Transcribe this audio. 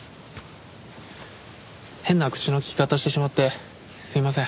変な口の利き方してしまってすみません。